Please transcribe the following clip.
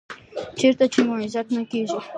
چېرته چې مو عزت نه کېږي .